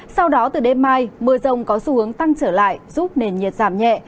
sau đó từ đêm mai mưa rông có xu hướng tăng trở lại giúp nền nhiệt giảm nhẹ